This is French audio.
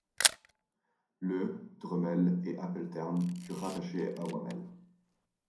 Le, Dreumel et Appeltern furent rattachés à Wamel.